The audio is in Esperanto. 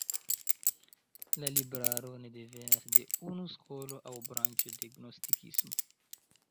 La libraro ne devenas de unu skolo aŭ branĉo de gnostikismo.